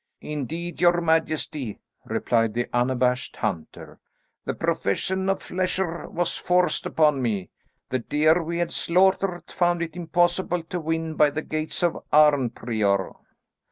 "Indeed, your majesty," replied the unabashed hunter, "the profession of flesher was forced upon me. The deer we had slaughtered found it impossible to win by the gates of Arnprior."